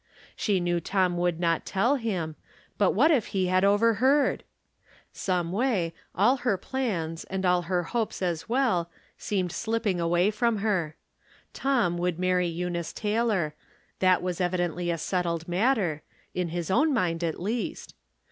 She knew Tom would not tell him, but what if he had over From, Different Standpoints. 323 heard ! Someway, all her plans and all her hopes as well, seemed slipping away from her. Tom would marry Eunice Taylor — that was evidently a settled matter, in Ins own mind at least.